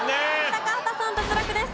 高畑さん脱落です。